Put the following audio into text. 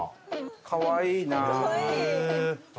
かわいいなあ。